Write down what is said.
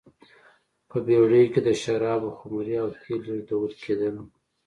په بېړیو کې د شرابو خُمرې او تېل لېږدول کېدل.